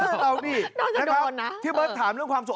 เออเอาดิที่เบิ๊ดถามเรื่องความสูง